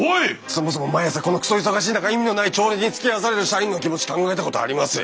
そもそも毎朝このクソ忙しい中意味のない朝礼につきあわされる社員の気持ち考えたことあります？